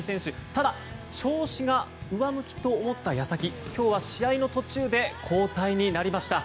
ただ、調子が上向きと思った矢先今日は試合の途中で交代になりました。